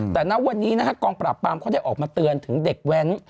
แต่ณวันนี้นะฮะกองปราบปรามเขาได้ออกมาเตือนถึงเด็กแว้น